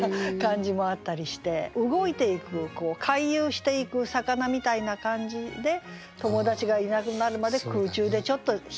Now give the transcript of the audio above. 動いていく回遊していく魚みたいな感じで友達がいなくなるまで空中でちょっと暇潰ししてますよっていうね。